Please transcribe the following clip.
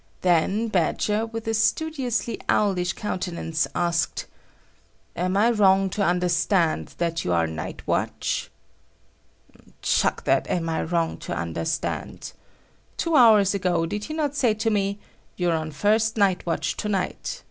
Then Badger, with a studiously owlish countenance, asked: "Am I wrong to understand that you are night watch?" Chuck that "Am I wrong to understand"! Two hours ago, did he not say to me "You're on first night watch to night.